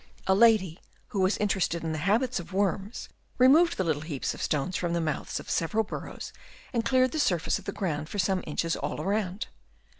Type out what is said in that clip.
A lady, who was in terested in the habits of worms, removed the little heaps of stones from the mouths of several burrows and cleared the surface of the ground for some inches all round.